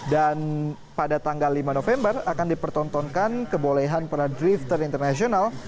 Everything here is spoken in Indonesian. dan pada tanggal lima november akan dipertontonkan kebolehan para drifter internasional